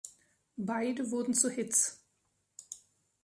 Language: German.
Beide wurden zu Hits.